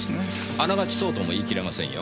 あながちそうとも言い切れませんよ。